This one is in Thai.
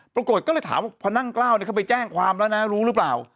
ปรากฏก็เลยถามว่าพอนั่งกล้าวเข้าไปแจ้งความแล้วนะรู้หรือเปล่า